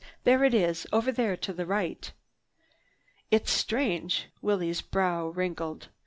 There it is over there to the right!" "It's strange." Willie's brow wrinkled.